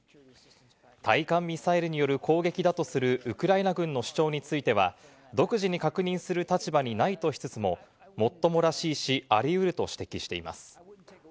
対艦ミサイルによる攻撃だとするウクライナ軍の主張については、独自に確認する立場にないとしつつも、もっともらしいし、ありうると指摘しています。